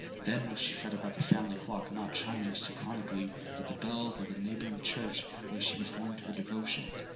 Then would she fret about the family clock not chiming synchronically with the bells of the neighbouring church where she performed her devotions.